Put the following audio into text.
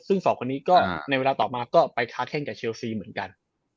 ซึ่งสองคนนี้ก็ในเวลาต่อมาก็ไปค้าแข้งกับเชลซีเหมือนกัน